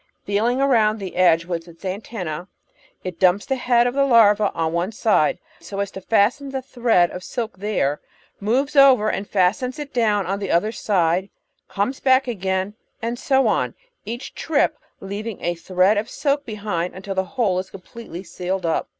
Feeling around the edge with its antennae it dumps the head of the larva on one side so as to fasten the thread of silk there, moves over and fastens it down on the other side, comes back again, and so on; each trip leav ing a thread of silk behind until the hole is completely sealed up.